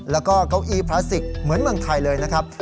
แล้วก็เก้าอี้พลาสติกเหมือนเมืองไทยเลยนะครับ